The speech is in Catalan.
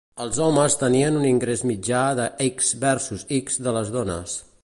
Els homes tenien un ingrés mitjà de X versus X de les dones.